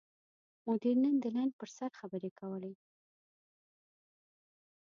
مدیر نن د لین پر سر خبرې کولې.